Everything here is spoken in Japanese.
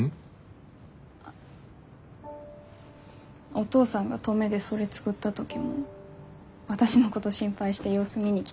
お父さんが登米でそれ作った時も私のこと心配して様子見に来たでしょ？